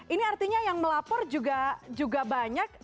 ini artinya yang melapor juga banyak